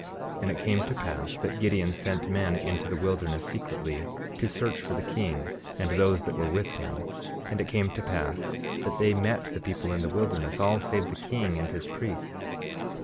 19:18 And it came to pass that Gideon sent men into the wilderness secretly, to search for the king and those that were with him. And it came to pass that they met the people in the wilderness, all save the king and his priests.